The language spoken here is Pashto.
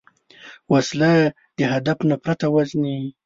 وسله د هدف نه پرته وژني